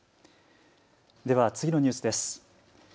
では次のニュースです。